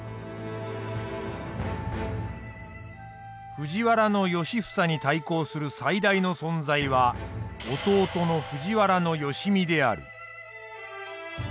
藤原良房に対抗する最大の存在は弟の藤原良相である。